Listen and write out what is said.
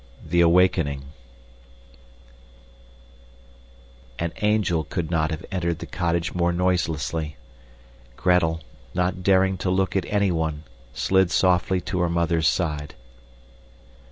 The Awakening An angel could not have entered the cottage more noiselessly. Gretel, not daring to look at anyone, slid softly to her mother's side.